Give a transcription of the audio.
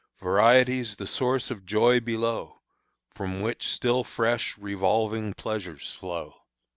"Variety's the source of joy below, From which still fresh revolving pleasures flow."